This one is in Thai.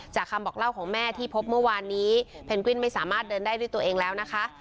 คำบอกเล่าของแม่ที่พบเมื่อวานนี้เพนกวินไม่สามารถเดินได้ด้วยตัวเองแล้วนะคะ